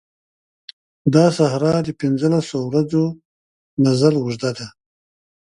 دا صحرا د پنځه لسو ورځو مزل اوږده ده.